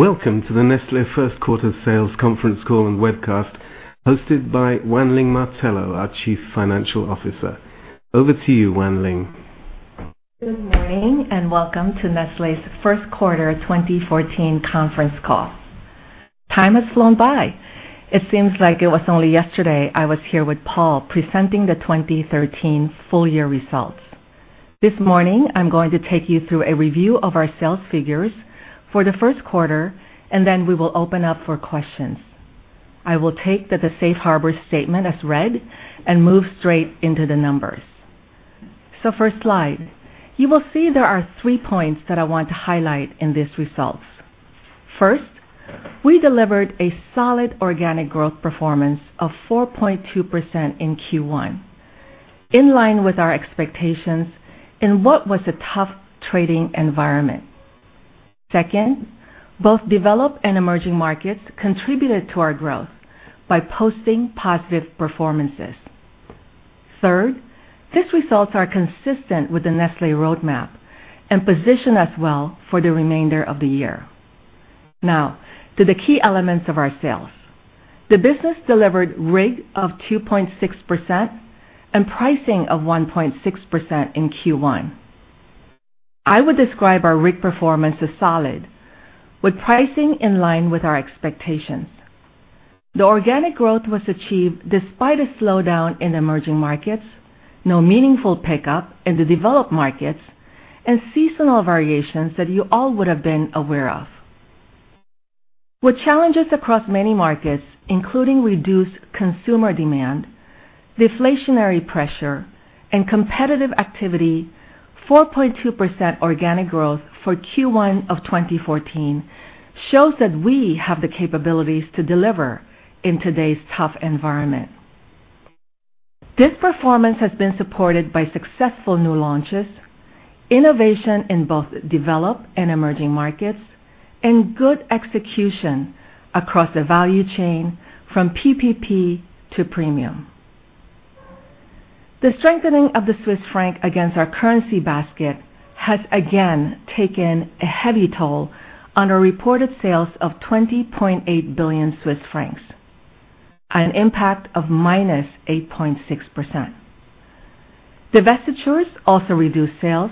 Welcome to the Nestlé first quarter sales conference call and webcast hosted by Wan Ling Martello, our Chief Financial Officer. Over to you, Wan Ling. Good morning, welcome to Nestlé's first quarter 2014 conference call. Time has flown by. It seems like it was only yesterday I was here with Paul presenting the 2013 full year results. This morning, I'm going to take you through a review of our sales figures for the first quarter. Then we will open up for questions. I will take that the safe harbor statement as read and move straight into the numbers. First slide. You will see there are three points that I want to highlight in these results. First, we delivered a solid organic growth performance of 4.2% in Q1, in line with our expectations in what was a tough trading environment. Second, both developed and emerging markets contributed to our growth by posting positive performances. Third, these results are consistent with the Nestlé roadmap and position us well for the remainder of the year. To the key elements of our sales. The business delivered RIG of 2.6% and pricing of 1.6% in Q1. I would describe our RIG performance as solid with pricing in line with our expectations. The organic growth was achieved despite a slowdown in emerging markets, no meaningful pickup in the developed markets, and seasonal variations that you all would've been aware of. With challenges across many markets, including reduced consumer demand, deflationary pressure, and competitive activity, 4.2% organic growth for Q1 of 2014 shows that we have the capabilities to deliver in today's tough environment. This performance has been supported by successful new launches, innovation in both developed and emerging markets, and good execution across the value chain from PPP to premium. The strengthening of the Swiss franc against our currency basket has again taken a heavy toll on our reported sales of 20.8 billion Swiss francs at an impact of -8.6%. Divestitures also reduced sales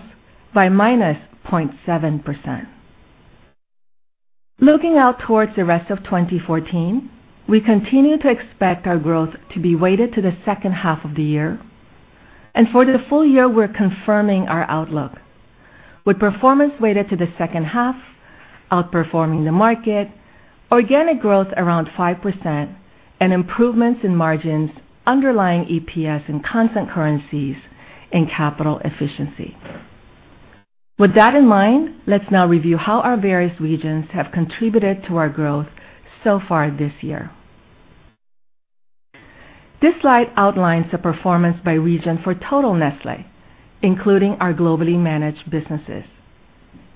by -0.7%. Looking out towards the rest of 2014, we continue to expect our growth to be weighted to the second half of the year. For the full year, we're confirming our outlook with performance weighted to the second half, outperforming the market, organic growth around 5%, and improvements in margins underlying EPS in constant currencies and capital efficiency. With that in mind, let's now review how our various regions have contributed to our growth so far this year. This slide outlines the performance by region for total Nestlé, including our globally managed businesses.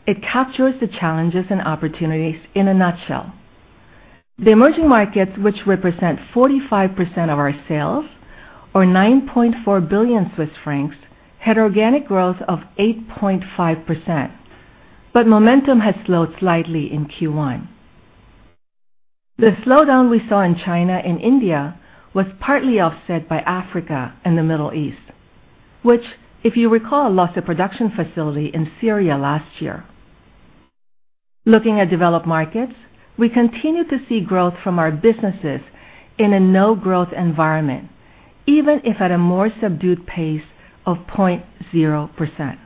It captures the challenges and opportunities in a nutshell. The emerging markets, which represent 45% of our sales, or 9.4 billion Swiss francs, had organic growth of 8.5%, but momentum has slowed slightly in Q1. The slowdown we saw in China and India was partly offset by Africa and the Middle East, which if you recall, lost a production facility in Syria last year. Looking at developed markets, we continue to see growth from our businesses in a no growth environment, even if at a more subdued pace of 0.0%.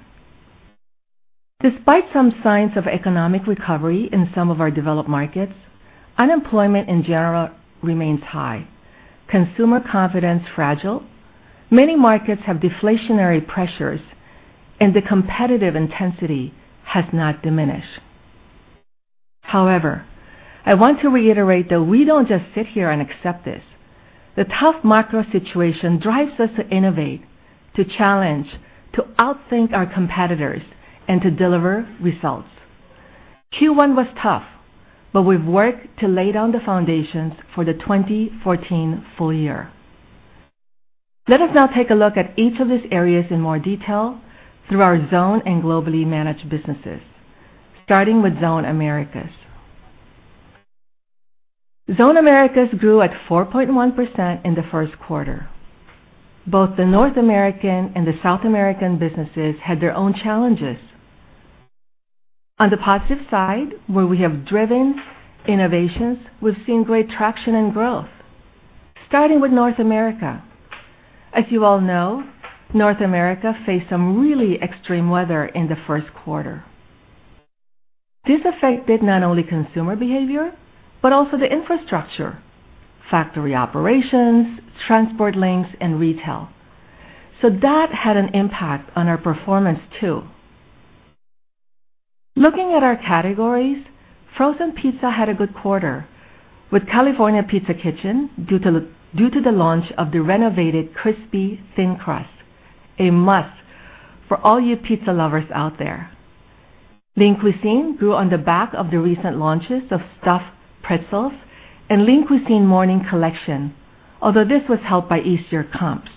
Despite some signs of economic recovery in some of our developed markets, unemployment in general remains high, consumer confidence fragile, many markets have deflationary pressures, and the competitive intensity has not diminished. I want to reiterate that we don't just sit here and accept this. The tough macro situation drives us to innovate, to challenge, to outthink our competitors, and to deliver results. Q1 was tough, but we've worked to lay down the foundations for the 2014 full year. Let us now take a look at each of these areas in more detail through our Zone and globally managed businesses, starting with Zone Americas. Zone Americas grew at 4.1% in the first quarter. Both the North American and the South American businesses had their own challenges. On the positive side, where we have driven innovations, we've seen great traction and growth, starting with North America. As you all know, North America faced some really extreme weather in the first quarter. This affected not only consumer behavior but also the infrastructure, factory operations, transport links, and retail. That had an impact on our performance too. Looking at our categories, frozen pizza had a good quarter with California Pizza Kitchen due to the launch of the renovated crispy thin crust, a must for all you pizza lovers out there. Lean Cuisine grew on the back of the recent launches of stuffed pretzels and Lean Cuisine Morning Collection. Although this was helped by easier comps.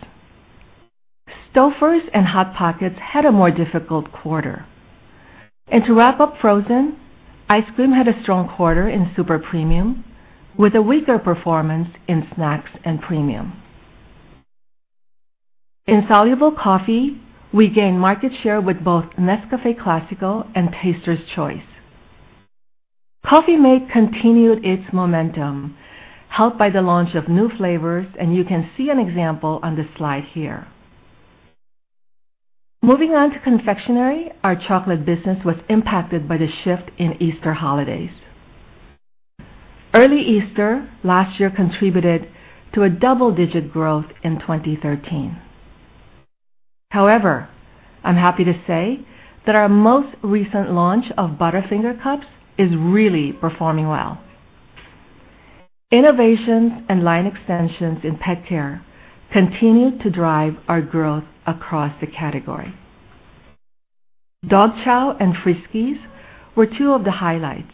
Stouffer's and Hot Pockets had a more difficult quarter. To wrap up frozen, ice cream had a strong quarter in super premium, with a weaker performance in snacks and premium. In soluble coffee, we gained market share with both Nescafé Clásico and Taster's Choice. Coffee-Mate continued its momentum, helped by the launch of new flavors, and you can see an example on the slide here. Moving on to confectionery, our chocolate business was impacted by the shift in Easter holidays. Early Easter last year contributed to a double-digit growth in 2013. I'm happy to say that our most recent launch of Butterfinger cups is really performing well. Innovations and line extensions in pet care continued to drive our growth across the category. Dog Chow and Friskies were two of the highlights.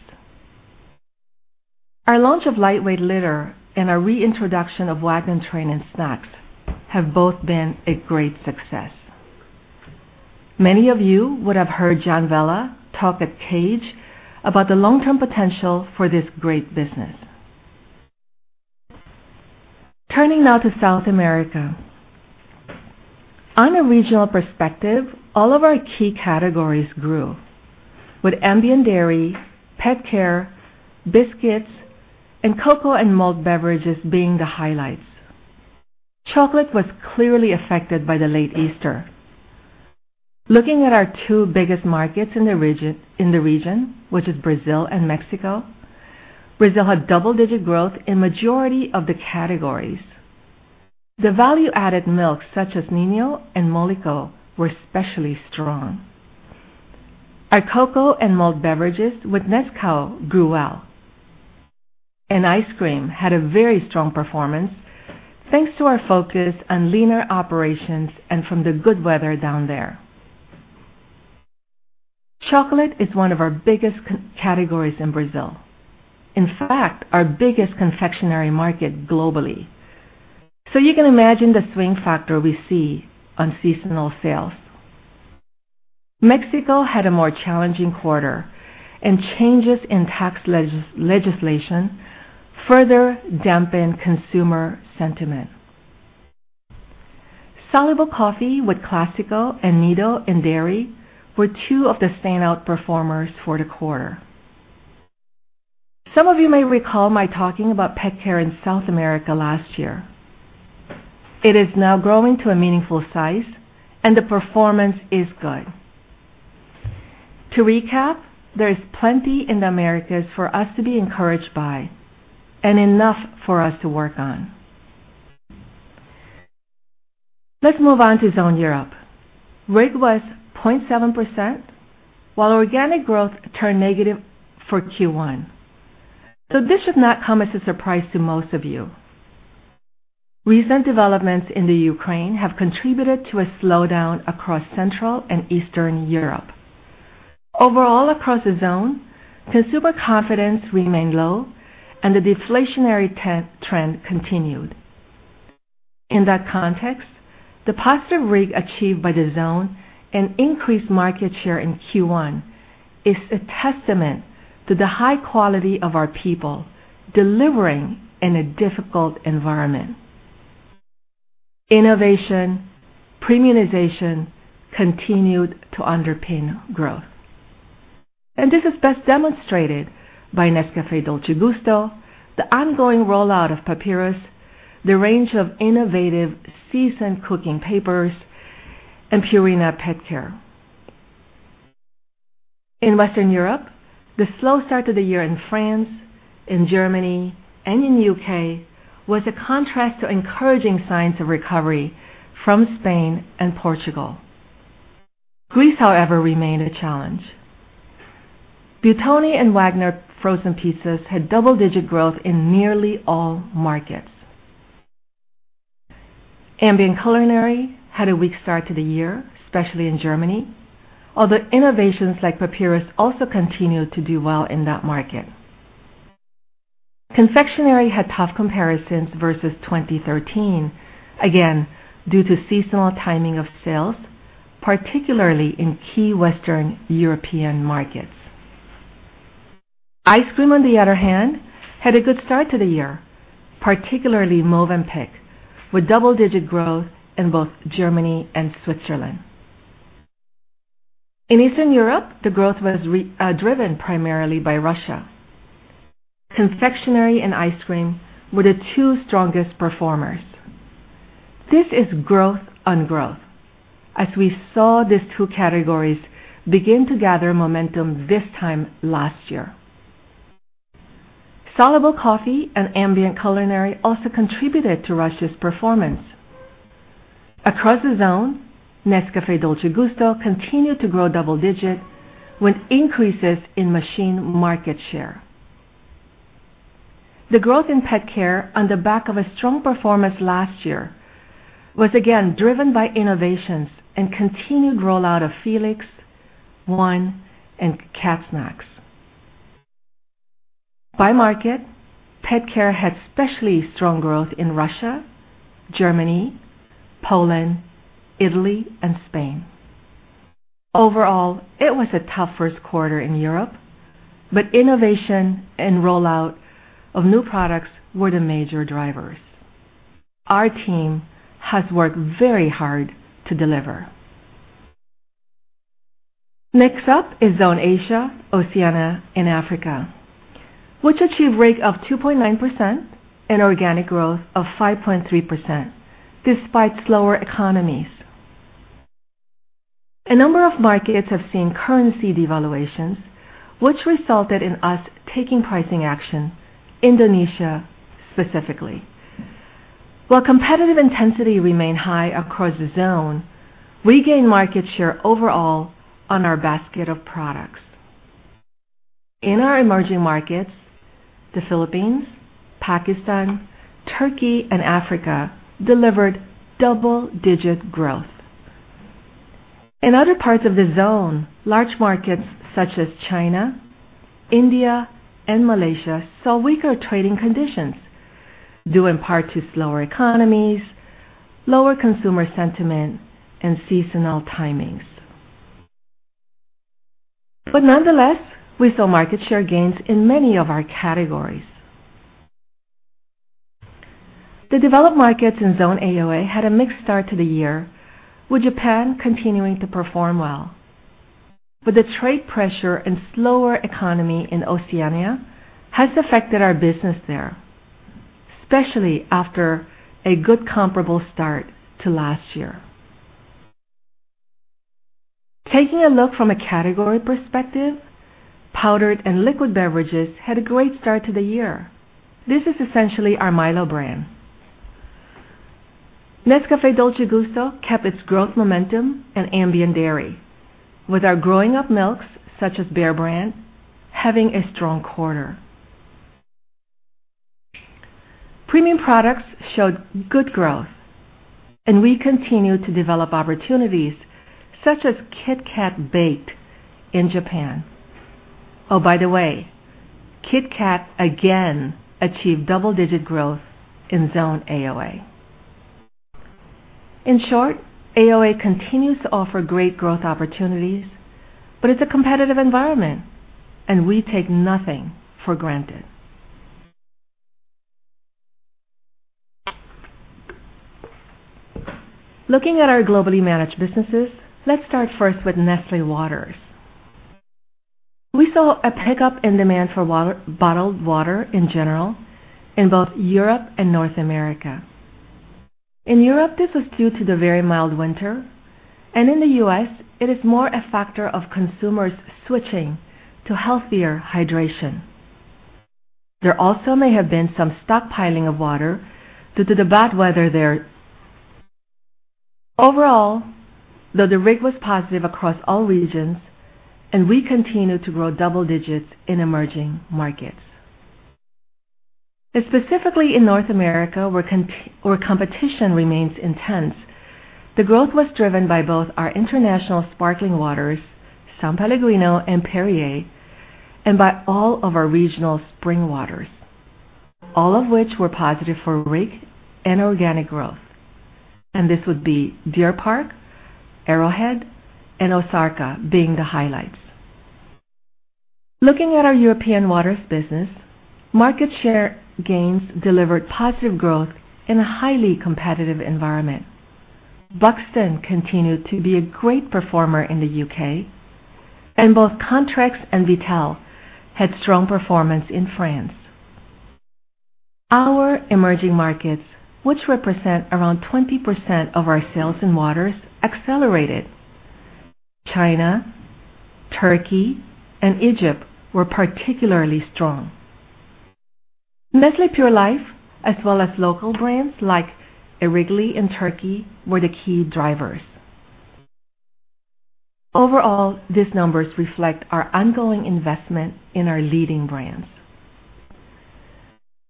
Our launch of lightweight litter and our reintroduction of Waggin' Train Snacks have both been a great success. Many of you would have heard John Vella talk at CAGNY about the long-term potential for this great business. Turning now to South America. On a regional perspective, all of our key categories grew, with ambient dairy, pet care, biscuits, and cocoa and malt beverages being the highlights. Chocolate was clearly affected by the late Easter. Looking at our two biggest markets in the region, which is Brazil and Mexico, Brazil had double-digit growth in majority of the categories. The value-added milk, such as Ninho and Molico, were especially strong. Our cocoa and malt beverages with Nescau grew well, and ice cream had a very strong performance, thanks to our focus on leaner operations and from the good weather down there. Chocolate is one of our biggest categories in Brazil. In fact, our biggest confectionery market globally. You can imagine the swing factor we see on seasonal sales. Mexico had a more challenging quarter, and changes in tax legislation further dampened consumer sentiment. Soluble coffee with Clásico and Nido in dairy were two of the stand-out performers for the quarter. Some of you may recall my talking about pet care in South America last year. It is now growing to a meaningful size, and the performance is good. To recap, there is plenty in the Americas for us to be encouraged by and enough for us to work on. Let's move on to Zone Europe. RIG was 0.7%, while organic growth turned negative for Q1. This should not come as a surprise to most of you. Recent developments in the Ukraine have contributed to a slowdown across Central and Eastern Europe. Overall, across the zone, consumer confidence remained low and the deflationary trend continued. In that context, the positive RIG achieved by the zone and increased market share in Q1 is a testament to the high quality of our people delivering in a difficult environment. Innovation, premiumization, continued to underpin growth. This is best demonstrated by Nescafé Dolce Gusto, the ongoing rollout of Papyrus, the range of innovative seasoned cooking papers, and Purina PetCare. In Western Europe, the slow start to the year in France, in Germany, and in U.K., was a contrast to encouraging signs of recovery from Spain and Portugal. Greece, however, remained a challenge. Buitoni and Wagner frozen pizzas had double-digit growth in nearly all markets. Ambient culinary had a weak start to the year, especially in Germany, although innovations like Papyrus also continued to do well in that market. Confectionery had tough comparisons versus 2013, again, due to seasonal timing of sales, particularly in key Western European markets. Ice cream, on the other hand, had a good start to the year, particularly Mövenpick, with double-digit growth in both Germany and Switzerland. In Eastern Europe, the growth was driven primarily by Russia. Confectionery and ice cream were the two strongest performers. This is growth on growth, as we saw these two categories begin to gather momentum this time last year. Soluble coffee and ambient culinary also contributed to Russia's performance. Across the zone, Nescafé Dolce Gusto continued to grow double digits with increases in machine market share. The growth in PetCare on the back of a strong performance last year was again driven by innovations and continued rollout of Felix, Purina ONE, and Cat Snacks. By market, PetCare had especially strong growth in Russia, Germany, Poland, Italy, and Spain. Overall, it was a tough first quarter in Europe, but innovation and rollout of new products were the major drivers. Our team has worked very hard to deliver. Next up is Zone Asia, Oceania, and Africa, which achieved RIG of 2.9% and organic growth of 5.3%, despite slower economies. A number of markets have seen currency devaluations, which resulted in us taking pricing action, Indonesia specifically. While competitive intensity remain high across the Zone, we gain market share overall on our basket of products. In our emerging markets, the Philippines, Pakistan, Turkey, and Africa delivered double-digit growth. In other parts of the Zone, large markets such as China, India, and Malaysia, saw weaker trading conditions due in part to slower economies, lower consumer sentiment, and seasonal timings. Nonetheless, we saw market share gains in many of our categories. The developed markets in Zone AOA had a mixed start to the year, with Japan continuing to perform well. The trade pressure and slower economy in Oceania has affected our business there, especially after a good comparable start to last year. Taking a look from a category perspective, powdered and liquid beverages had a great start to the year. This is essentially our Milo brand. Nescafé Dolce Gusto kept its growth momentum and ambient dairy, with our growing up milks such as Bear Brand having a strong quarter. Premium products showed good growth, and we continue to develop opportunities such as KitKat Bake in Japan. Oh, by the way, KitKat again achieved double-digit growth in Zone AOA. In short, AOA continues to offer great growth opportunities, but it's a competitive environment. We take nothing for granted. Looking at our globally managed businesses, let's start first with Nestlé Waters. We saw a pickup in demand for bottled water in general in both Europe and North America. In Europe, this was due to the very mild winter. In the U.S., it is more a factor of consumers switching to healthier hydration. There also may have been some stockpiling of water due to the bad weather there. Overall, though, the RIG was positive across all regions. We continue to grow double digits in emerging markets. Specifically in North America, where competition remains intense, the growth was driven by both our international sparkling waters, S.Pellegrino and Perrier, and by all of our regional spring waters, all of which were positive for RIG and organic growth. This would be Deer Park, Arrowhead, and Ozarka being the highlights. Looking at our European waters business, market share gains delivered positive growth in a highly competitive environment. Buxton continued to be a great performer in the U.K. Both Contrex and Vittel had strong performance in France. Our emerging markets, which represent around 20% of our sales in waters, accelerated. China, Turkey, and Egypt were particularly strong. Nestlé Pure Life, as well as local brands like Erikli in Turkey, were the key drivers. Overall, these numbers reflect our ongoing investment in our leading brands.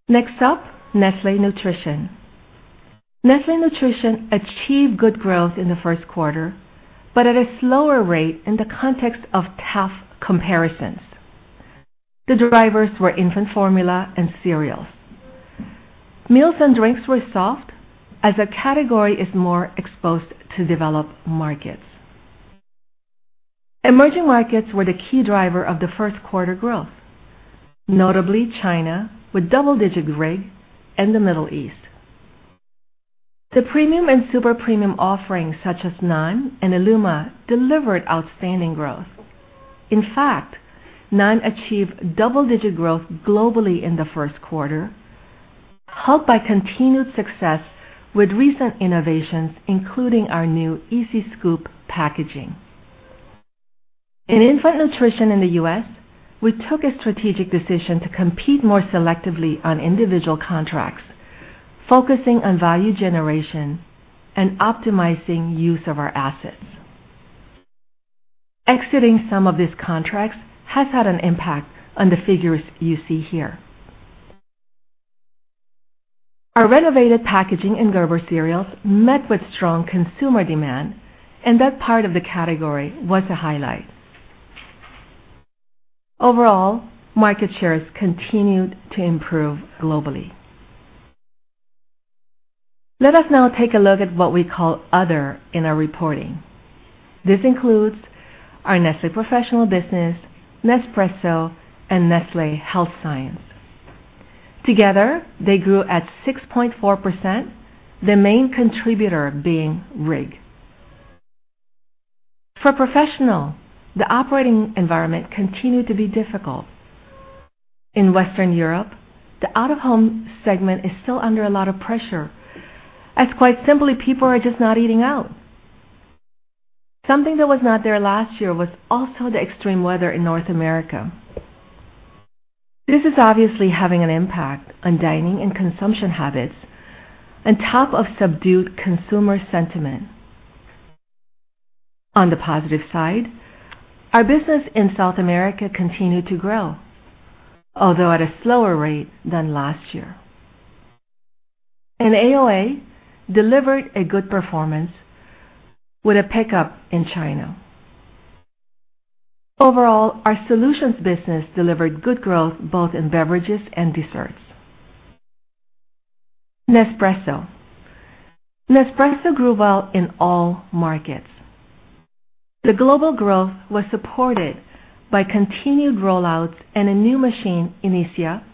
Next up, Nestlé Nutrition. Nestlé Nutrition achieved good growth in the first quarter, but at a slower rate in the context of tough comparisons. The drivers were infant formula and cereals. Meals and drinks were soft, as the category is more exposed to developed markets. Emerging markets were the key driver of the first quarter growth, notably China with double-digit RIG and the Middle East. The premium and super premium offerings such as NAN and illuma delivered outstanding growth. In fact, NAN achieved double-digit growth globally in the first quarter, helped by continued success with recent innovations, including our new Easy Scoop packaging. In infant nutrition in the U.S., we took a strategic decision to compete more selectively on individual contracts, focusing on value generation and optimizing use of our assets. Exiting some of these contracts has had an impact on the figures you see here. Our renovated packaging in Gerber cereals met with strong consumer demand, and that part of the category was a highlight. Overall, market shares continued to improve globally. Let us now take a look at what we call other in our reporting. This includes our Nestlé Professional business, Nespresso, and Nestlé Health Science. Together, they grew at 6.4%, the main contributor being RIG. For Professional, the operating environment continued to be difficult. In Western Europe, the out-of-home segment is still under a lot of pressure, as quite simply, people are just not eating out. Something that was not there last year was also the extreme weather in North America. This is obviously having an impact on dining and consumption habits, on top of subdued consumer sentiment. On the positive side, our business in South America continued to grow, although at a slower rate than last year. AOA delivered a good performance with a pickup in China. Overall, our solutions business delivered good growth both in beverages and desserts. Nespresso. Nespresso grew well in all markets. The global growth was supported by continued rollouts and a new machine, Inissia,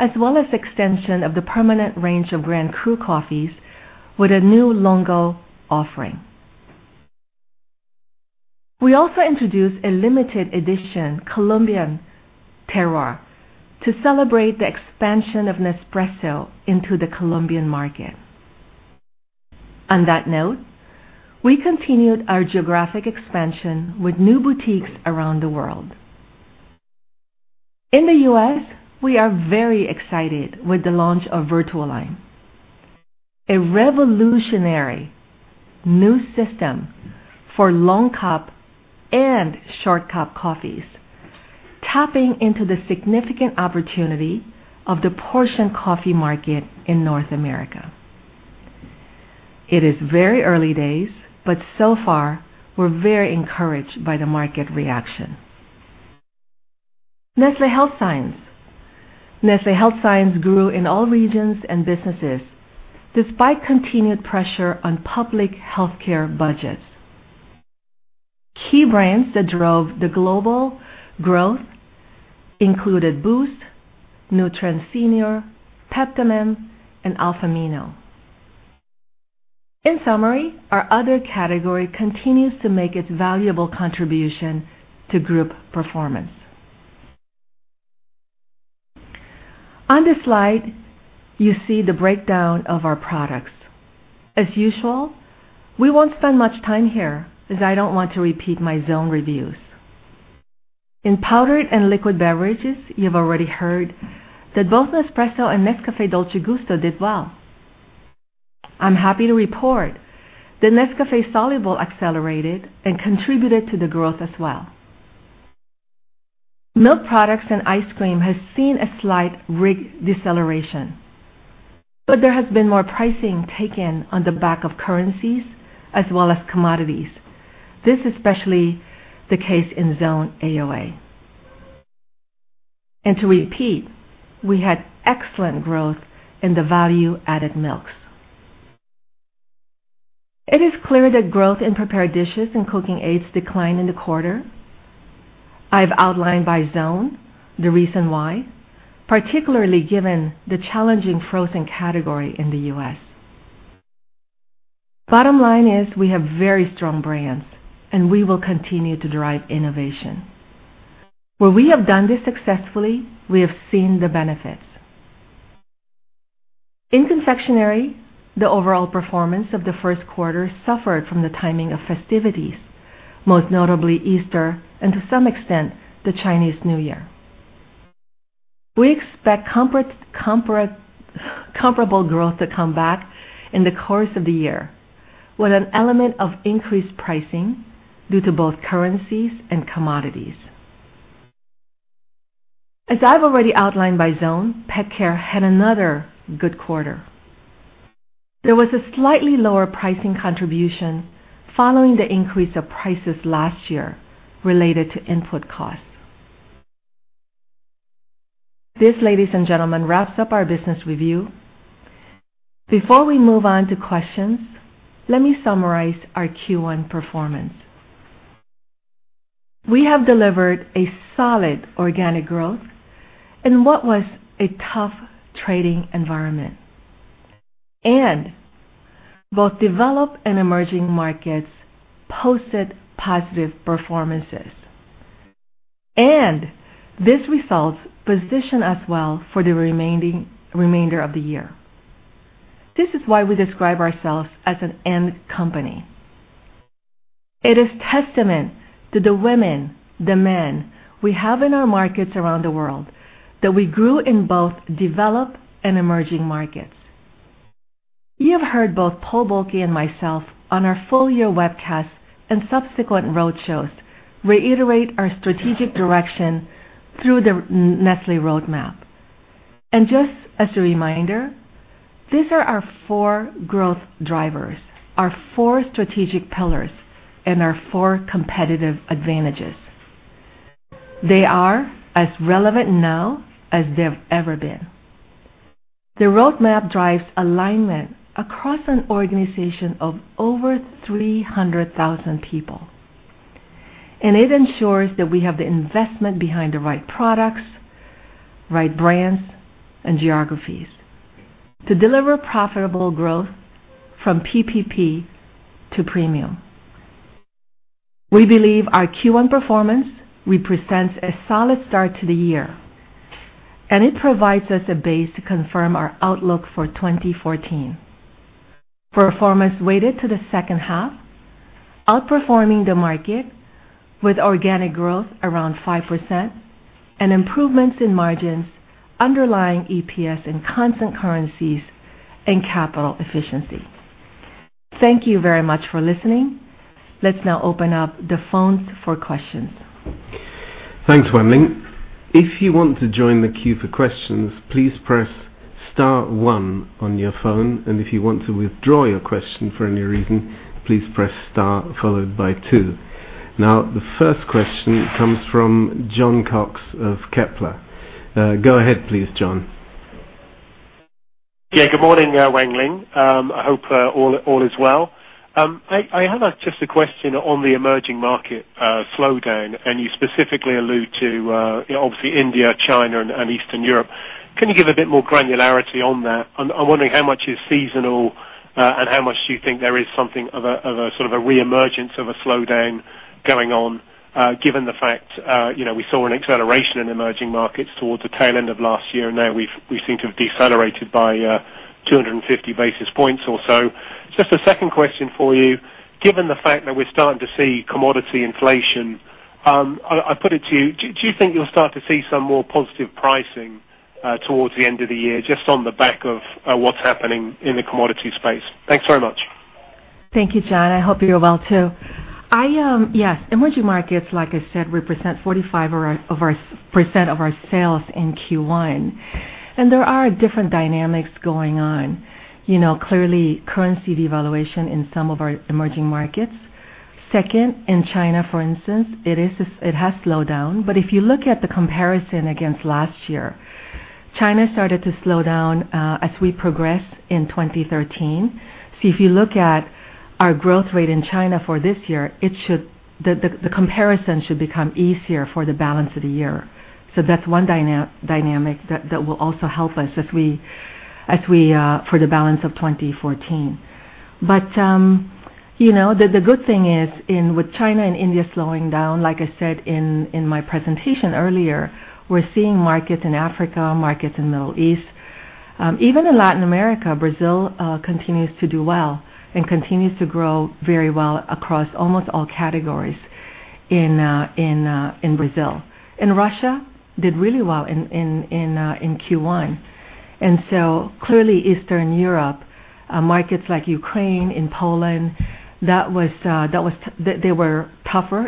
as well as extension of the permanent range of Grand Cru coffees with a new lungo offering. We also introduced a limited edition Colombian terroir to celebrate the expansion of Nespresso into the Colombian market. On that note, we continued our geographic expansion with new boutiques around the world. In the U.S., we are very excited with the launch of VertuoLine, a revolutionary new system for long cup and short cup coffees, tapping into the significant opportunity of the portion coffee market in North America. It is very early days, but so far, we're very encouraged by the market reaction. Nestlé Health Science. Nestlé Health Science grew in all regions and businesses, despite continued pressure on public healthcare budgets. Key brands that drove the global growth included Boost, Nutren Senior, Peptamen, and Alfamino. In summary, our other category continues to make its valuable contribution to group performance. On this slide, you see the breakdown of our products. As usual, we won't spend much time here, as I don't want to repeat my zone reviews. In powdered and liquid beverages, you've already heard that both Nespresso and Nescafé Dolce Gusto did well. I'm happy to report that Nescafé Soluble accelerated and contributed to the growth as well. Milk products and ice cream has seen a slight RIG deceleration, but there has been more pricing taken on the back of currencies as well as commodities. This especially the case in Zone AOA. To repeat, we had excellent growth in the value-added milks. It is clear that growth in prepared dishes and cooking aids declined in the quarter. I've outlined by zone the reason why, particularly given the challenging frozen category in the U.S. Bottom line is we have very strong brands, and we will continue to drive innovation. Where we have done this successfully, we have seen the benefits. In confectionery, the overall performance of the first quarter suffered from the timing of festivities, most notably Easter, and to some extent, the Chinese New Year. We expect comparable growth to come back in the course of the year, with an element of increased pricing due to both currencies and commodities. As I've already outlined by zone, pet care had another good quarter. There was a slightly lower pricing contribution following the increase of prices last year related to input costs. This, ladies and gentlemen, wraps up our business review. Before we move on to questions, let me summarize our Q1 performance. We have delivered a solid organic growth in what was a tough trading environment. Both developed and emerging markets posted positive performances. This results position us well for the remainder of the year. This is why we describe ourselves as an AND company. It is testament to the women, the men we have in our markets around the world that we grew in both developed and emerging markets. You have heard both Paul Bulcke and myself on our full year webcast and subsequent roadshows reiterate our strategic direction through the Nestlé Roadmap. Just as a reminder, these are our four growth drivers, our four strategic pillars, and our four competitive advantages. They are as relevant now as they've ever been. The roadmap drives alignment across an organization of over 300,000 people. It ensures that we have the investment behind the right products, right brands, and geographies to deliver profitable growth from PPP to premium. We believe our Q1 performance represents a solid start to the year, and it provides us a base to confirm our outlook for 2014. Performance weighted to the second half, outperforming the market with organic growth around 5% and improvements in margins, underlying EPS in constant currencies, and capital efficiency. Thank you very much for listening. Let's now open up the phones for questions. Thanks, Wan Ling. If you want to join the queue for questions, please press star one on your phone, and if you want to withdraw your question for any reason, please press star followed by two. Now, the first question comes from Jon Cox of Kepler. Go ahead please, Jon. Yeah. Good morning, Wan Ling. I hope all is well. I have just a question on the emerging market slowdown, and you specifically allude to, obviously India, China, and Eastern Europe. Can you give a bit more granularity on that? I'm wondering how much is seasonal and how much do you think there is something of a reemergence of a slowdown going on, given the fact we saw an acceleration in emerging markets towards the tail end of last year, now we seem to have decelerated by 250 basis points or so. Just a second question for you, given the fact that we're starting to see commodity inflation, I'll put it to you, do you think you'll start to see some more positive pricing towards the end of the year, just on the back of what's happening in the commodity space? Thanks very much. Thank you, John. I hope you're well too. Yes, emerging markets, like I said, represent 45% of our sales in Q1. There are different dynamics going on. Clearly, currency devaluation in some of our emerging markets. Second, in China, for instance, it has slowed down. If you look at the comparison against last year, China started to slow down as we progressed in 2013. If you look at our growth rate in China for this year, the comparison should become easier for the balance of the year. That's one dynamic that will also help us for the balance of 2014. The good thing is with China and India slowing down, like I said in my presentation earlier, we're seeing markets in Africa, markets in Middle East. Even in Latin America, Brazil continues to do well and continues to grow very well across almost all categories in Brazil. Russia did really well in Q1. Clearly Eastern Europe, markets like Ukraine and Poland, they were tougher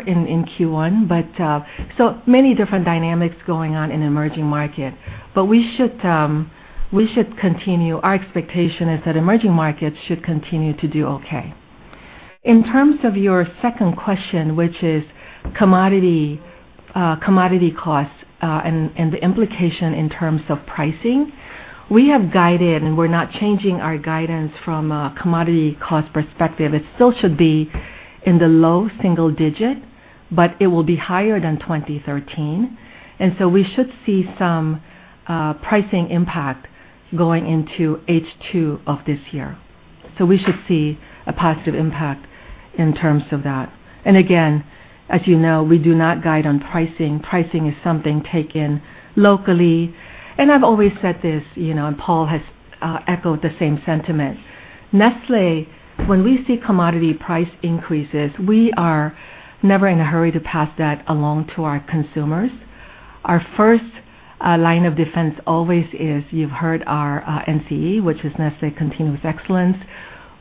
in Q1. Many different dynamics going on in emerging market. Our expectation is that emerging markets should continue to do okay. In terms of your second question, which is commodity costs, and the implication in terms of pricing, we have guided, and we're not changing our guidance from a commodity cost perspective. It still should be in the low single digit, but it will be higher than 2013. We should see some pricing impact going into H2 of this year. We should see a positive impact in terms of that. Again, as you know, we do not guide on pricing. Pricing is something taken locally. I've always said this, and Paul has echoed the same sentiment. Nestlé, when we see commodity price increases, we are never in a hurry to pass that along to our consumers. Our first line of defense always is, you've heard our NCE, which is Nestlé Continuous Excellence.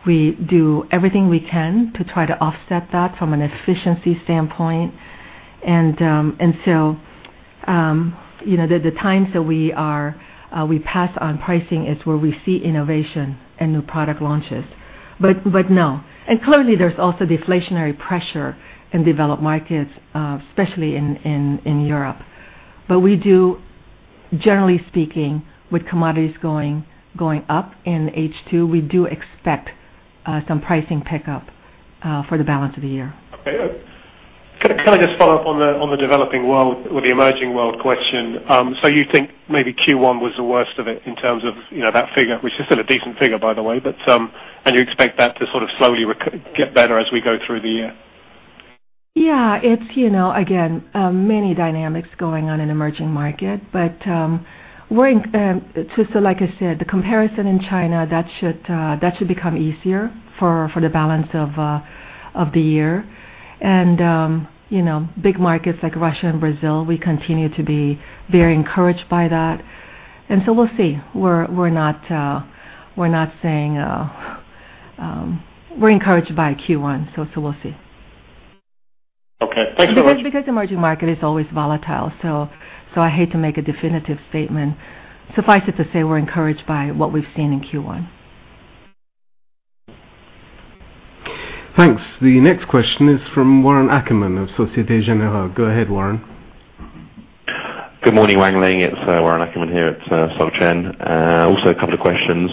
We do everything we can to try to offset that from an efficiency standpoint. The times that we pass on pricing is where we see innovation and new product launches. No. Clearly there's also deflationary pressure in developed markets, especially in Europe. We do, generally speaking, with commodities going up in H2, we do expect some pricing pickup for the balance of the year. Okay. Can I just follow up on the developing world or the emerging world question? You think maybe Q1 was the worst of it in terms of that figure, which is still a decent figure, by the way, and you expect that to sort of slowly get better as we go through the year? Yeah. It's, again, many dynamics going on in emerging market. Like I said, the comparison in China, that should become easier for the balance of the year. Big markets like Russia and Brazil, we continue to be very encouraged by that. We'll see. We're encouraged by Q1, so we'll see. Okay. Thank you so much. Emerging market is always volatile, so I hate to make a definitive statement. Suffice it to say, we're encouraged by what we've seen in Q1. Thanks. The next question is from Warren Ackerman of Société Générale. Go ahead, Warren. Good morning, Wan Ling. It's Warren Ackerman here at Société Générale. A couple of questions.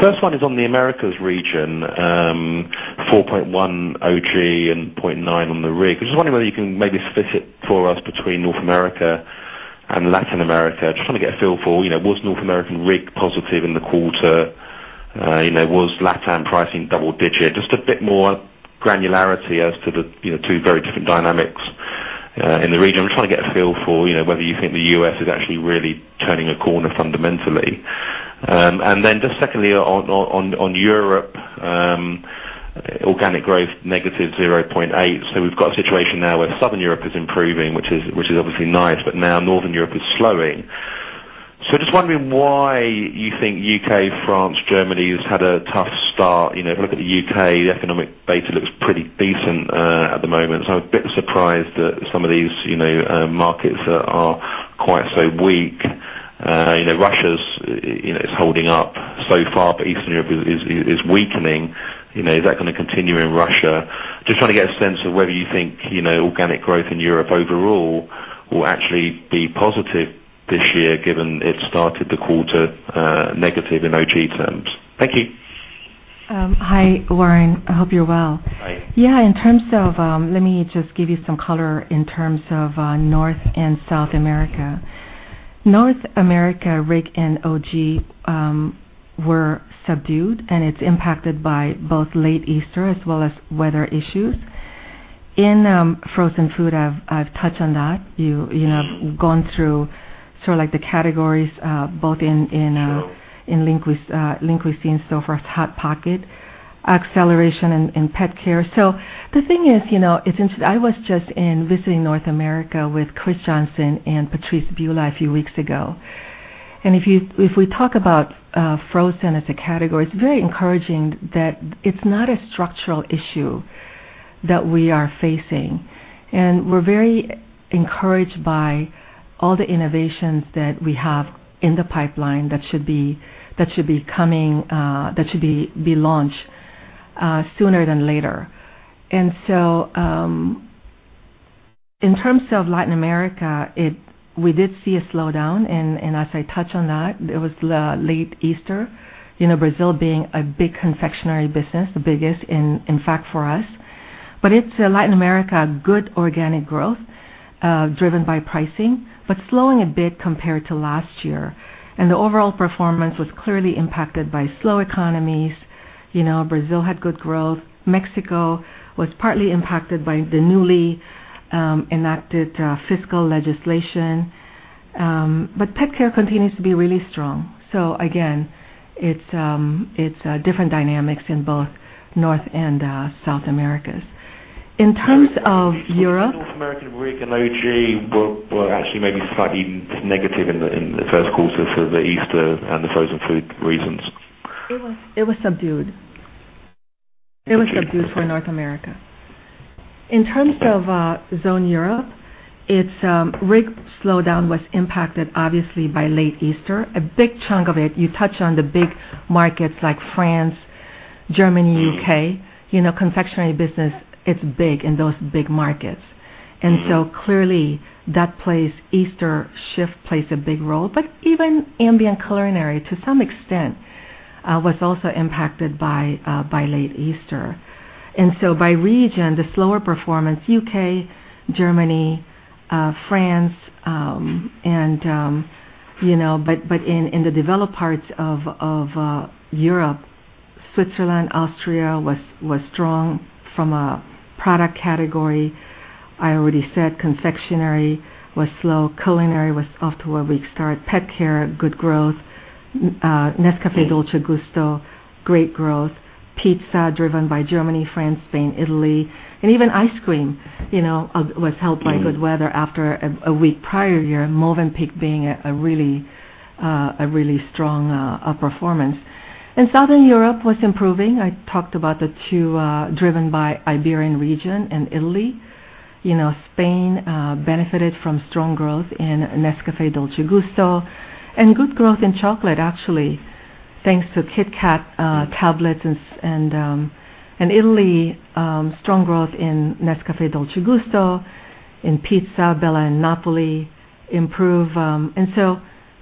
First one is on the Americas region, 4.1% OG and 0.9% on the RIG. I was just wondering whether you can maybe split it for us between North America and Latin America. Just trying to get a feel for, was North American RIG positive in the quarter? Was LatAm pricing double-digit? Just a bit more granularity as to the two very different dynamics in the region. I'm trying to get a feel for whether you think the U.S. is actually really turning a corner fundamentally. Secondly, on Europe, organic growth -0.8%. We've got a situation now where Southern Europe is improving, which is obviously nice, but now Northern Europe is slowing. Just wondering why you think U.K., France, Germany has had a tough start. If you look at the U.K., the economic data looks pretty decent at the moment. I'm a bit surprised that some of these markets are quite so weak. Russia is holding up so far, but Eastern Europe is weakening. Is that going to continue in Russia? Just trying to get a sense of whether you think organic growth in Europe overall will actually be positive this year, given it started the quarter negative in OG terms. Thank you. Hi, Warren. I hope you're well. Hi. Let me just give you some color in terms of North and South America. North America RIG and OG were subdued, and it's impacted by both late Easter as well as weather issues. In frozen food, I've touched on that. We've gone through the categories, both. Sure Lean Cuisine, for us, Hot Pockets acceleration and pet care. The thing is, I was just in visiting North America with Chris Johnson and Patrice Bula a few weeks ago. If we talk about frozen as a category, it's very encouraging that it's not a structural issue that we are facing. We're very encouraged by all the innovations that we have in the pipeline that should be launched sooner than later. In terms of Latin America, we did see a slowdown. As I touch on that, it was late Easter, Brazil being a big confectionery business, the biggest in fact for us. Latin America, good organic growth, driven by pricing, but slowing a bit compared to last year. The overall performance was clearly impacted by slow economies. Brazil had good growth. Mexico was partly impacted by the newly enacted fiscal legislation. Pet care continues to be really strong. Again, it's different dynamics in both North and South Americas. In terms of Europe- North American RIG and OG were actually maybe slightly negative in the first quarter for the Easter and the frozen food reasons. It was subdued. It was subdued for North America. In terms of Zone Europe, its RIG slowdown was impacted obviously by late Easter, a big chunk of it. You touch on the big markets like France, Germany, U.K. Confectionery business, it's big in those big markets. Clearly, that plays Easter shift plays a big role, but even ambient culinary, to some extent, was also impacted by late Easter. By region, the slower performance, U.K., Germany, France. In the developed parts of Europe, Switzerland, Austria was strong from a product category. I already said confectionery was slow. Culinary was off to a weak start. Pet care, good growth. Nescafé Dolce Gusto, great growth. Pizza driven by Germany, France, Spain, Italy, and even ice cream was helped by good weather after a weak prior year, Mövenpick being a really strong performance. Southern Europe was improving. I talked about the two driven by Iberian region and Italy. Spain benefited from strong growth in Nescafé Dolce Gusto and good growth in chocolate, actually, thanks to Kit Kat tablets. Italy, strong growth in Nescafé Dolce Gusto, in pizza, Bella Napoli improved.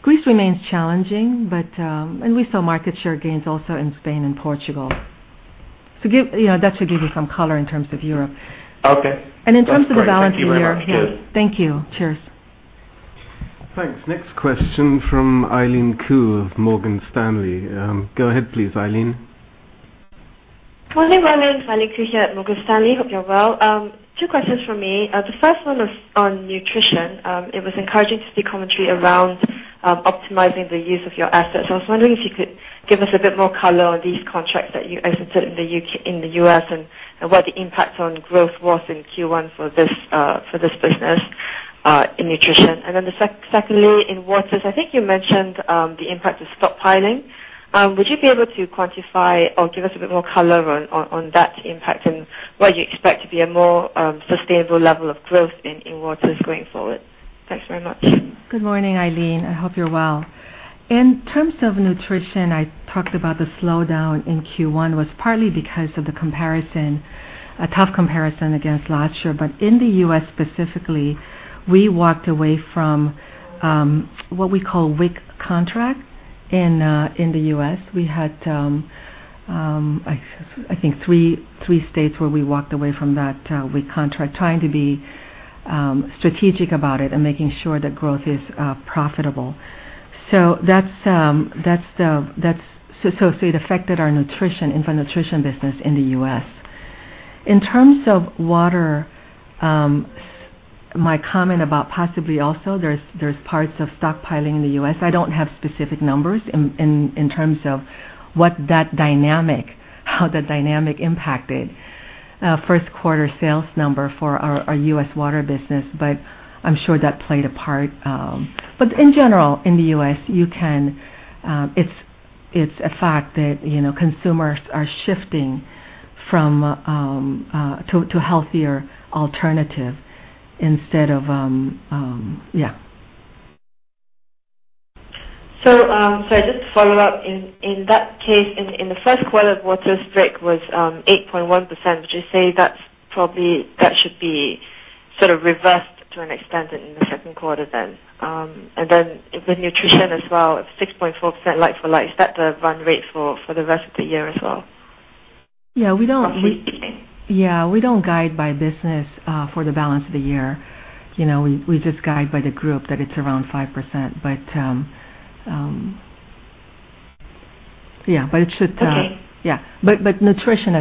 Greece remains challenging, and we saw market share gains also in Spain and Portugal. That should give you some color in terms of Europe. Okay. In terms of the balance of the year. That's great. Thank you very much. Cheers. Thank you. Cheers. Thanks. Next question from Eileen Khoo of Morgan Stanley. Go ahead, please, Eileen. Good morning, Wan Ling. It's Eileen Khoo here at Morgan Stanley. Hope you're well. Two questions from me. The first one is on nutrition. It was encouraging to see commentary around optimizing the use of your assets. I was wondering if you could give us a bit more color on these contracts that you entered in the U.S. and what the impact on growth was in Q1 for this business. In nutrition, and then secondly, in waters, I think you mentioned the impact of stockpiling. Would you be able to quantify or give us a bit more color on that impact and what you expect to be a more sustainable level of growth in waters going forward? Thanks very much. Good morning, Eileen. I hope you're well. In terms of nutrition, I talked about the slowdown in Q1 was partly because of a tough comparison against last year. In the U.S. specifically, we walked away from what we call WIC contracts in the U.S. We had, I think, three states where we walked away from that WIC contract, trying to be strategic about it and making sure that growth is profitable. That affected our nutrition, infant nutrition business in the U.S. In terms of water, my comment about possibly also there's parts of stockpiling in the U.S. I don't have specific numbers in terms of how that dynamic impacted first quarter sales number for our U.S. water business, but I'm sure that played a part. In general, in the U.S., it's a fact that consumers are shifting to healthier alternatives instead of Yeah. Just to follow up, in that case, in the first quarter, water's break was 8.1%, which you say that should be sort of reversed to an extent in the second quarter. With nutrition as well, it's 6.4% like-for-like. Is that the run rate for the rest of the year as well? Yeah. We don't. At least beating. Yeah. We don't guide by business for the balance of the year. We just guide by the group that it's around 5%. But, yeah. Okay. Yeah. Nutrition,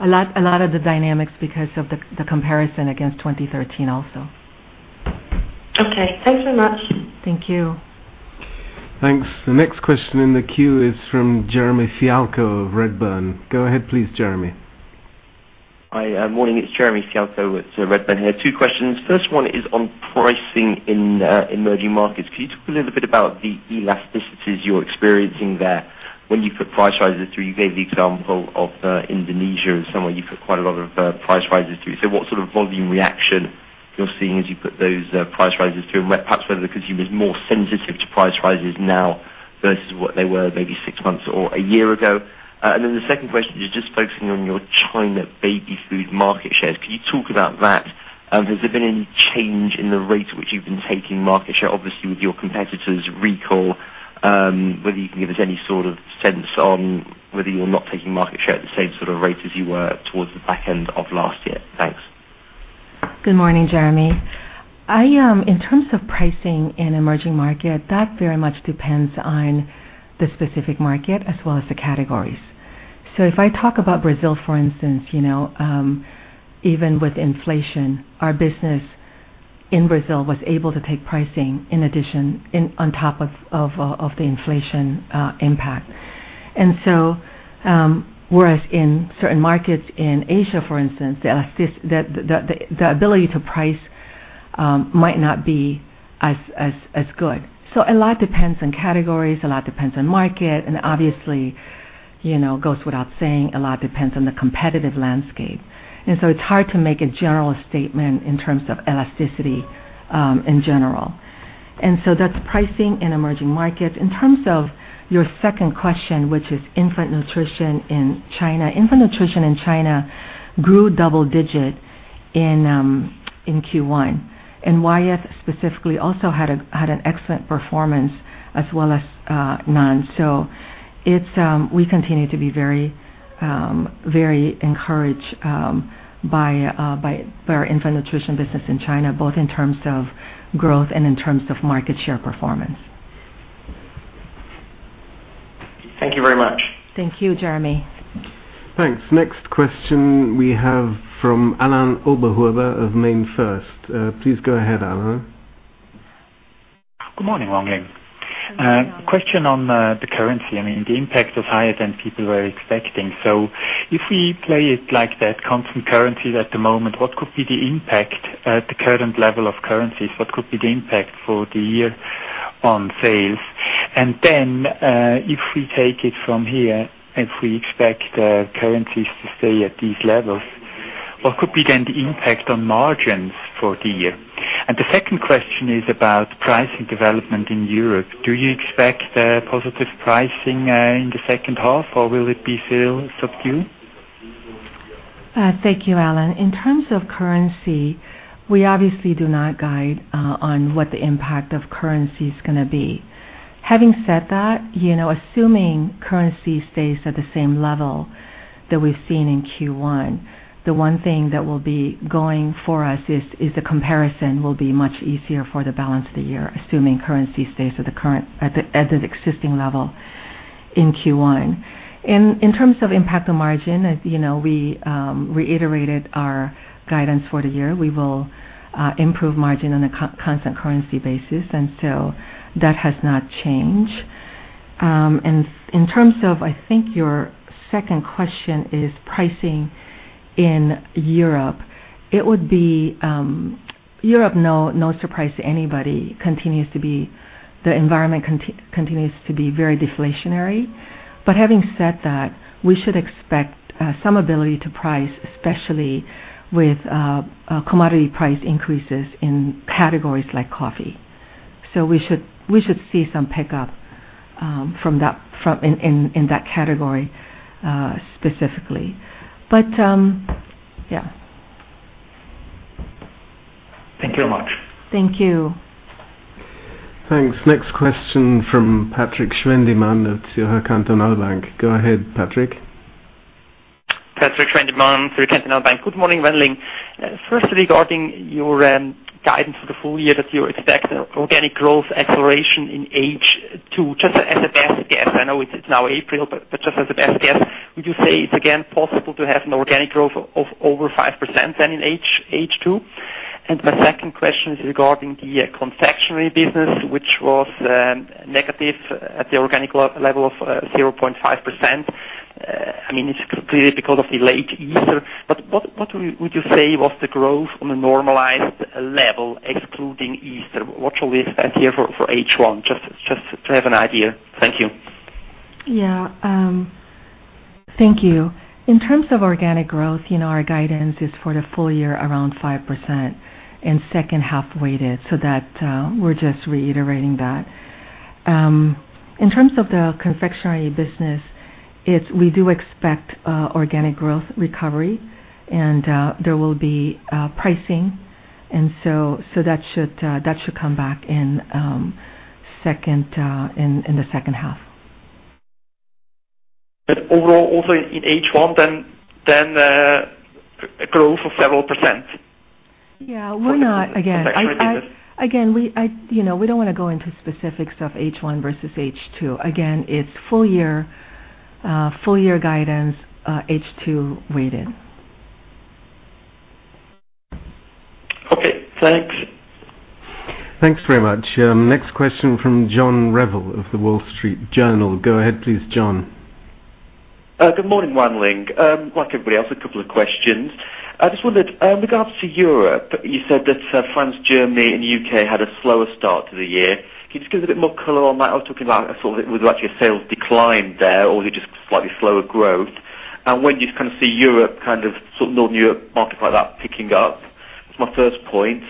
a lot of the dynamics because of the comparison against 2013 also. Okay. Thanks so much. Thank you. Thanks. The next question in the queue is from Jeremy Fialko of Redburn. Go ahead please, Jeremy. Hi. Morning. It's Jeremy Fialko with Redburn here. Two questions. First one is on pricing in emerging markets. Can you talk a little bit about the elasticities you're experiencing there when you put price rises through? You gave the example of Indonesia as somewhere you put quite a lot of price rises through. What sort of volume reaction you're seeing as you put those price rises through? Perhaps whether the consumer is more sensitive to price rises now versus what they were maybe six months or a year ago. The second question is just focusing on your China baby food market shares. Can you talk about that? Has there been any change in the rate at which you've been taking market share, obviously with your competitor's recall, whether you can give us any sort of sense on whether you're not taking market share at the same sort of rate as you were towards the back end of last year? Thanks. Good morning, Jeremy. In terms of pricing in emerging market, that very much depends on the specific market as well as the categories. If I talk about Brazil, for instance, even with inflation, our business in Brazil was able to take pricing in addition, on top of the inflation impact. Whereas in certain markets in Asia, for instance, the ability to price might not be as good. A lot depends on categories, a lot depends on market, and obviously, goes without saying, a lot depends on the competitive landscape. It's hard to make a general statement in terms of elasticity, in general. That's pricing in emerging markets. In terms of your second question, which is infant nutrition in China. Infant nutrition in China grew double digit in Q1. illuma specifically also had an excellent performance as well as NAN. We continue to be very encouraged by our infant nutrition business in China, both in terms of growth and in terms of market share performance. Thank you very much. Thank you, Jeremy. Thanks. Next question we have from Alain Oberhuber of MainFirst. Please go ahead, Alain. Good morning, Wan Ling. Good morning, Alain. Question on the currency. The impact is higher than people were expecting. If we play it like that, constant currencies at the moment, what could be the impact at the current level of currencies? What could be the impact for the year on sales? If we take it from here, if we expect currencies to stay at these levels, what could be then the impact on margins for the year? The second question is about pricing development in Europe. Do you expect positive pricing in the second half, or will it be still subdued? Thank you, Alain. In terms of currency, we obviously do not guide on what the impact of currency is going to be. Having said that, assuming currency stays at the same level that we've seen in Q1, the one thing that will be going for us is the comparison will be much easier for the balance of the year, assuming currency stays at the existing level in Q1. In terms of impact on margin, as you know, we reiterated our guidance for the year. We will improve margin on a constant currency basis, that has not changed. In terms of, I think your second question is pricing in Europe. Europe, no surprise to anybody, the environment continues to be very deflationary. Having said that, we should expect some ability to price, especially with commodity price increases in categories like coffee. We should see some pickup in that category specifically. Thank you very much. Thank you. Thanks. Next question from Patrik Schwendimann of Zürcher Kantonalbank. Go ahead, Patrik. Patrik Schwendimann, Zürcher Kantonalbank. Good morning, Wan Ling. First, regarding your guidance for the full year, that you expect organic growth acceleration in H2. Just as a best guess, I know it's now April, but just as a best guess, would you say it's again possible to have an organic growth of over 5% then in H2? My second question is regarding the confectionery business, which was negative at the organic level of 0.5%. It's clearly because of the late Easter, but what would you say was the growth on a normalized level, excluding Easter? What shall we expect here for H1, just to have an idea? Thank you. Yeah. Thank you. In terms of organic growth, our guidance is for the full year around 5% and second half weighted. That, we're just reiterating that. In terms of the confectionery business, we do expect organic growth recovery and there will be pricing, that should come back in the second half. Overall, also in H1 then, a growth of several percent? Yeah. We're not, again- For the confectionery business. Again, we don't want to go into specifics of H1 versus H2. Again, it's full year guidance, H2 weighted. Okay, thanks. Thanks very much. Next question from John Revill of The Wall Street Journal. Go ahead please, John. Good morning, Wan Ling. Like everybody else, a couple of questions. I just wondered, with regards to Europe, you said that France, Germany, and U.K. had a slower start to the year. Can you just give us a bit more color on that? Are you talking about a sales decline there or just slightly slower growth? When do you see Europe, Northern Europe market like that picking up? That's my first point.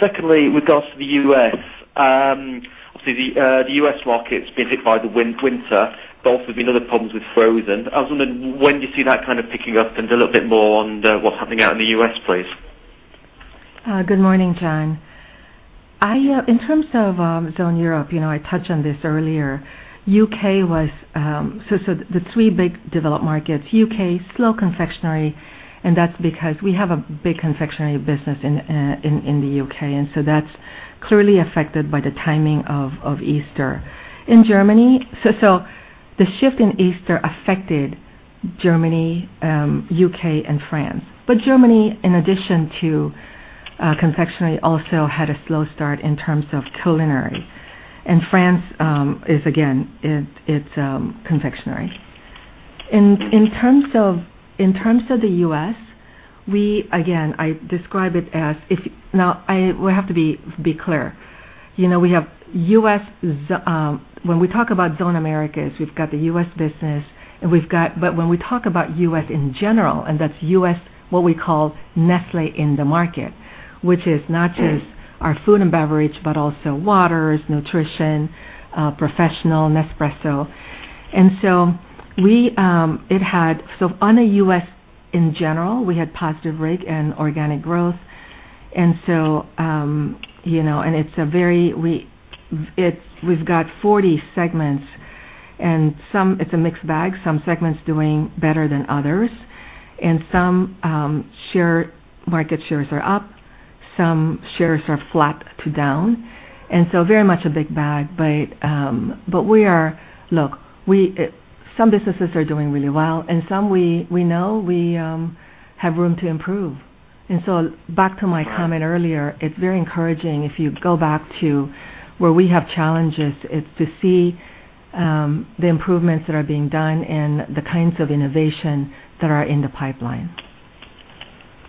Secondly, with regards to the U.S. Obviously, the U.S. market's been hit by the winter, but also been other problems with frozen. I was wondering, when do you see that picking up? A little bit more on what's happening out in the U.S., please. Good morning, John. In terms of Zone Europe, I touched on this earlier. The three big developed markets, U.K., slow confectionery, that's because we have a big confectionery business in the U.K., that's clearly affected by the timing of Easter. The shift in Easter affected Germany, U.K., and France. Germany, in addition to confectionery, also had a slow start in terms of culinary. France is, again, it's confectionery. In terms of the U.S., we have to be clear. When we talk about Zone Americas, we've got the U.S. business. When we talk about U.S. in general, that's U.S., what we call Nestlé in the market. Which is not just our food and beverage, but also Waters, Nutrition, Professional, Nespresso. On a U.S. in general, we had positive RIG and organic growth. We've got 40 segments. It's a mixed bag. Some segments doing better than others. Some market shares are up, some shares are flat to down, very much a big bag. Look, some businesses are doing really well, and some we know we have room to improve. Back to my comment earlier, it's very encouraging if you go back to where we have challenges, it's to see the improvements that are being done and the kinds of innovation that are in the pipeline.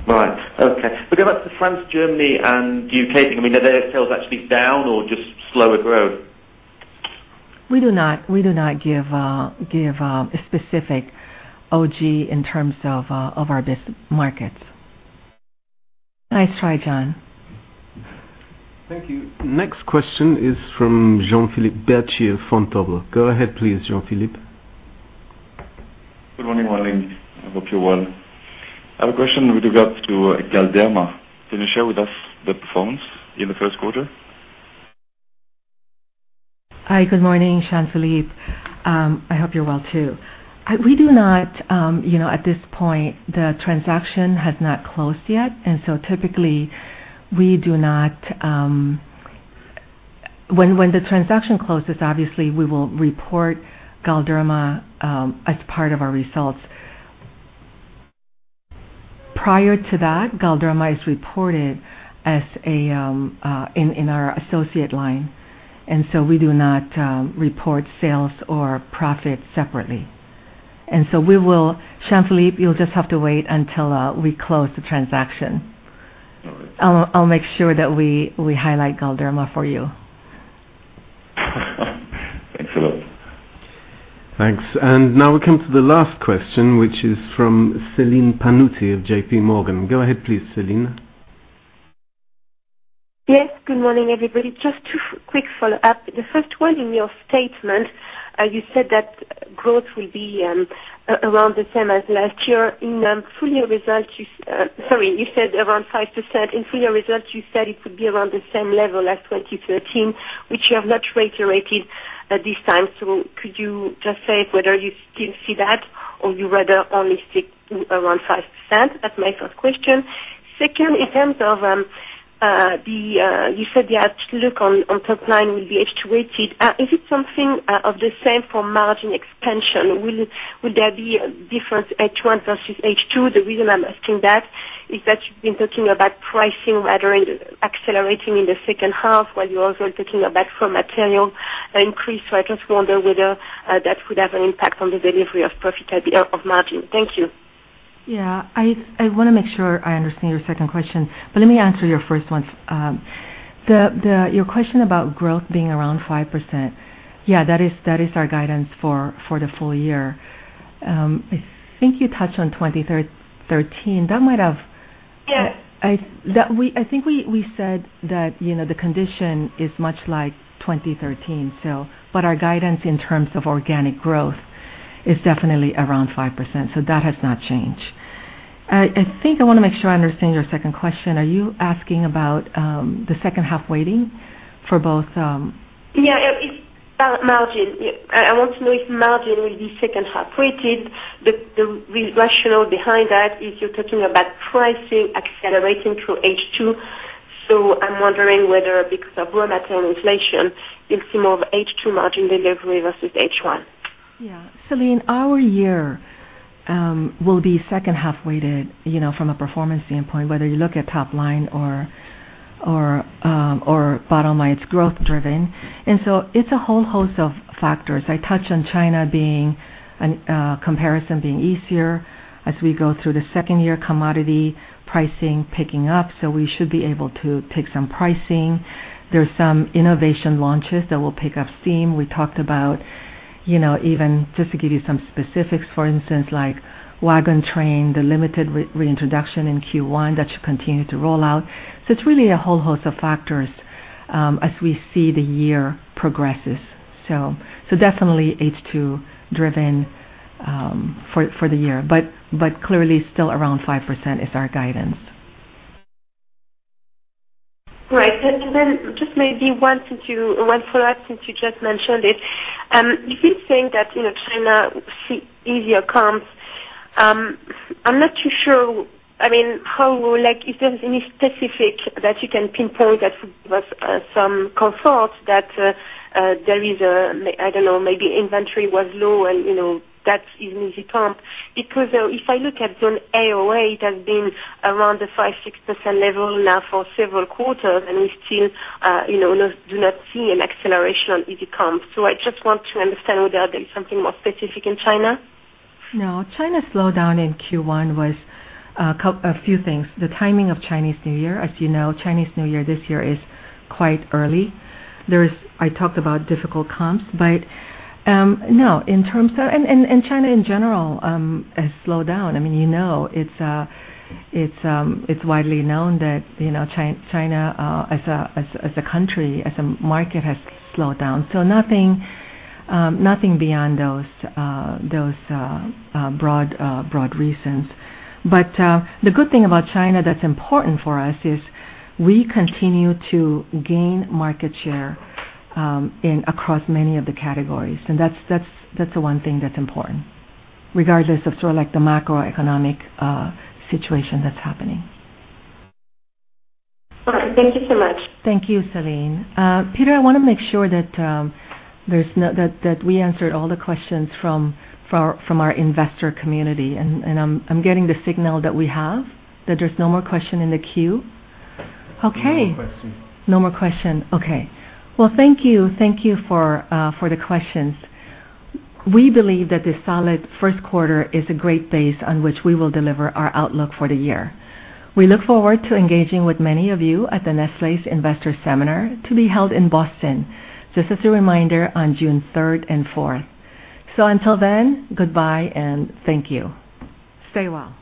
Right. Okay. Going back to France, Germany, and U.K., are their sales actually down or just slower growth? We do not give a specific OG in terms of our business markets. Nice try, John. Thank you. Next question is from Jean-Philippe Bertschy of Vontobel. Go ahead please, Jean-Philippe. Good morning, Wan Ling. I hope you're well. I have a question with regards to Galderma. Can you share with us the performance in the first quarter? Hi. Good morning, Jean-Philippe. I hope you're well too. At this point, the transaction has not closed yet. Typically, when the transaction closes, obviously we will report Galderma as part of our results. Prior to that, Galderma is reported in our associate line. We do not report sales or profit separately. Jean-Philippe, you'll just have to wait until we close the transaction. All right. I'll make sure that we highlight Galderma for you. Thanks a lot. Thanks. Now we come to the last question, which is from Celine Pannuti of JPMorgan. Go ahead please, Celine. Yes, good morning, everybody. Just two quick follow-ups. The first one, in your statement, you said that growth will be around the same as last year. Sorry, you said around 5%. In full-year results, you said it would be around the same level as 2013, which you have not reiterated this time. Could you just say whether you still see that, or you rather only stick to around 5%? That's my first question. Second, in terms of, you said the outlook on top line will be H2 weighted. Is it something of the same for margin expansion? Will there be a difference H1 versus H2? The reason I'm asking that is that you've been talking about pricing rather than accelerating in the second half, while you're also talking about raw material increase. I just wonder whether that could have an impact on the delivery of margin. Thank you. Yeah. I want to make sure I understand your second question, but let me answer your first one. Your question about growth being around 5%. Yeah, that is our guidance for the full year. I think you touched on 2013. Yes. I think we said that the condition is much like 2013. Our guidance in terms of organic growth is definitely around 5%, that has not changed. I think I want to make sure I understand your second question. Are you asking about the second half weighting for Yeah, it's margin. I want to know if margin will be second half weighted. The rationale behind that is you're talking about pricing accelerating through H2, so I'm wondering whether because of raw material inflation, you'll see more of H2 margin delivery versus H1. Yeah. Celine, our year will be second half weighted, from a performance standpoint, whether you look at top line or bottom line. It's growth driven. It's a whole host of factors. I touched on China comparison being easier as we go through the second year, commodity pricing picking up, so we should be able to take some pricing. There's some innovation launches that will pick up steam. We talked about, even just to give you some specifics, for instance, like Waggin' Train, the limited reintroduction in Q1. That should continue to roll out. It's really a whole host of factors as we see the year progresses. Definitely H2-driven for the year. Clearly still around 5% is our guidance. Right. Just maybe one follow-up since you just mentioned it. If you think that China see easier comps, I'm not too sure if there's any specific that you can pinpoint that give us some comfort that there is, I don't know, maybe inventory was low and that is an easy comp. If I look at the AOA, it has been around the 5%-6% level now for several quarters, and we still do not see an acceleration on easy comps. I just want to understand whether there is something more specific in China. No. China's slowdown in Q1 was a few things. The timing of Chinese New Year, as you know, Chinese New Year this year is quite early. I talked about difficult comps. China in general has slowed down. It's widely known that China as a country, as a market, has slowed down. Nothing beyond those broad reasons. The good thing about China that's important for us is we continue to gain market share across many of the categories, and that's the one thing that's important, regardless of sort of the macroeconomic situation that's happening. All right. Thank you so much. Thank you, Celine Pannuti. Peter, I want to make sure that we answered all the questions from our investor community, and I'm getting the signal that we have, that there's no more question in the queue. Okay. No more question. No more question. Okay. Well, thank you. Thank you for the questions. We believe that this solid first quarter is a great base on which we will deliver our outlook for the year. We look forward to engaging with many of you at the Nestlé Investor Seminar to be held in Boston. Just as a reminder, on June 3rd and 4th. Until then, goodbye and thank you. Stay well.